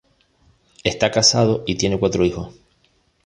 Está casado y tiene cuatro hijos.